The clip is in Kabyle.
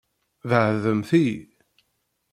Beɛɛdemt-iyi.